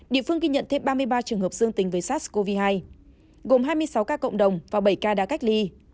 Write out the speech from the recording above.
địa phương ghi nhận thêm ba mươi ba trường hợp dương tính với sars cov hai gồm hai mươi sáu ca cộng đồng và bảy ca đã cách ly